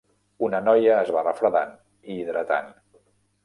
Una noia es va refredant i hidratant.